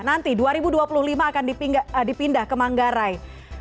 nanti dua ribu dua puluh lima akan dipindah ke manggarai